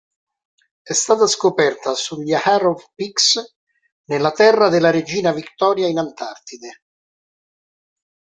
È stata scoperta sugli Harrow Peaks nella Terra della regina Victoria in Antartide.